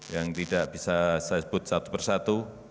yang tidak bisa saya sebut satu persatu